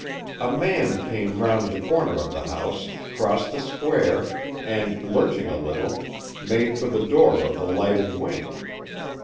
A man came round the corner of the house, crossed the square, and, lurching a little, made for the door of the lighted wing.